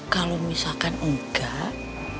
kalau misalkan enggak